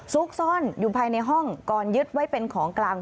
ซุกซ่อนอยู่ภายในห้องก่อนยึดไว้เป็นของกลาง